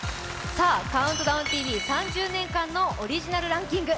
さあ、「ＣＤＴＶ」３０年間のオリジナルランキング。